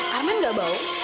arman nggak bau